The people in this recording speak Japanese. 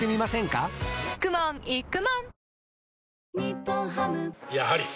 かくもんいくもん